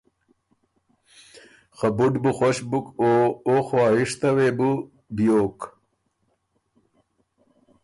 خه بُډ بُو خوش بُک او او خواهشه وې بُو بيوک